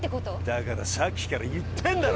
だからさっきから言ってんだろ！